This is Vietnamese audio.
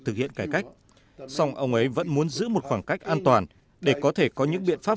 thực hiện cải cách song ông ấy vẫn muốn giữ một khoảng cách an toàn để có thể có những biện pháp